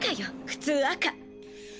普通赤。